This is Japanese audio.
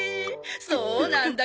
そうなんだ。